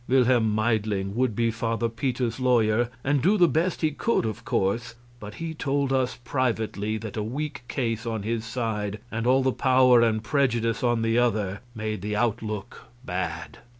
Wilhelm Meidling would be Father Peter's lawyer and do the best he could, of course, but he told us privately that a weak case on his side and all the power and prejudice on the other made the outlook bad.